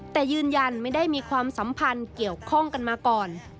แต่ยืนยันไม่ได้มีความสัมพันธ์เกี่ยวข้องกันมาก่อน